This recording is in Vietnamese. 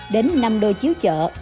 đến năm đôi chiếu chợ